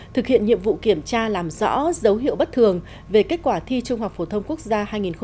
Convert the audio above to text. thực hiện nhiệm vụ kiểm tra làm rõ dấu hiệu bất thường về kết quả thi trung học phổ thông quốc gia hai nghìn một mươi tám